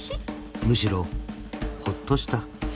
［むしろほっとした］